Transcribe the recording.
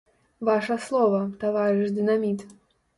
Ваша слова, таварыш дынаміт!